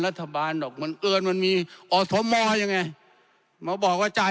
รัฐบานหรอกมันเอิินมันมีอศโมรยังไงมาบอกว่าจ่าย